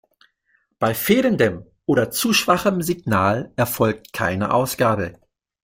Bei fehlendem oder zu schwachem Signal erfolgt keine Ausgabe.